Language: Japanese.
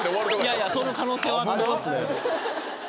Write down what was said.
いやいやその可能性はありますね